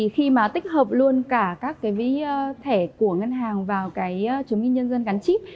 khi tích hợp luôn cả các thẻ của ngân hàng vào chứng minh nhân dân gắn chip